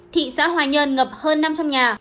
thị xã hoài nhơn ngập hơn năm trăm linh nhà